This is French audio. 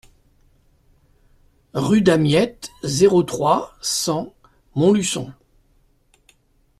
Rue Damiette, zéro trois, cent Montluçon